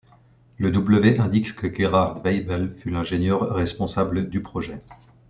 Le W indique que Gerhard Waibel fut l'ingénieur responsable du projet.